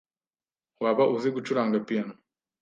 Waba uzi gucuranga piyano?